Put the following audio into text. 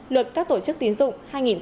luật các tổ chức tín dụng hai nghìn hai mươi bốn